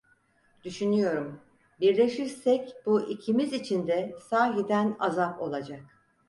Düşünüyorum, birleşirsek bu ikimiz için de sahiden azap olacak.